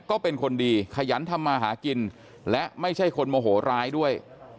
ก็เป็นคนดีขยันทำมาหากินและไม่ใช่คนโมโหร้ายด้วย